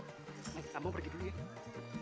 nanti sama gua pergi dulu ya